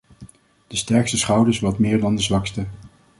De sterkste schouders wat meer dan de zwakste.